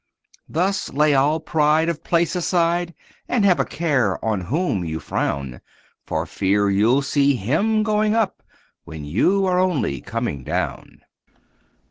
Thus lay all pride of place aside, And have a care on whom you frown; For fear you'll see him going up, When you are only coming down.